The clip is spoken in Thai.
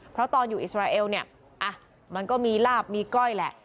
เพราะตอนอยู่อิสราเอลเนี่ยมันก็มีลาบมีก้อยแหละ